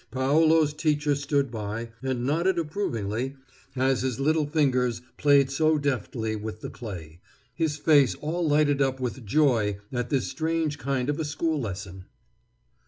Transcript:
Paolo's teacher stood by, and nodded approvingly as his little fingers played so deftly with the clay, his face all lighted up with joy at this strange kind of a school lesson.